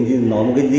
chỉ có một số thare